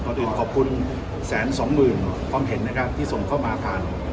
ก่อนอื่นขอบคุณแสนสองหมื่นความเห็นที่ส่งเข้ามาทาง